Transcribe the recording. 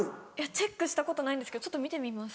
チェックしたことないんですけどちょっと見てみます。